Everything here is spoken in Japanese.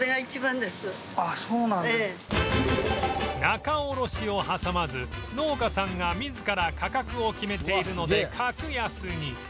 仲卸を挟まず農家さんが自ら価格を決めているので格安に